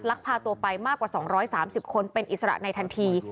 พาตัวไปมากกว่า๒๓๐คนเป็นอิสระในทันที